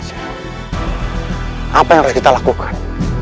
hai apa yang kita lakukan